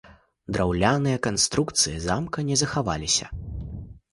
Драўляныя канструкцыі замка не захаваліся.